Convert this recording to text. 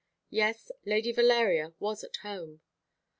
Yes, Lady Valeria was at home.